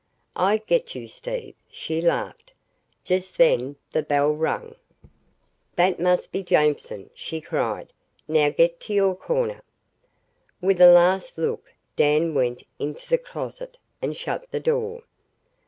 "I get you Steve," she laughed. Just then the bell rang. "That must be Jameson," she cried. "Now get to your corner." With a last look Dan went into the closet and shut the door.